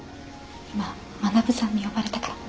今学さんに呼ばれたから。